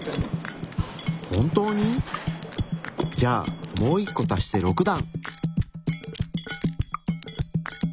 本当に⁉じゃあもう１個足して６段！